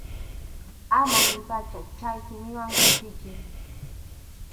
Ama niypacha chay simiwan kutichiy.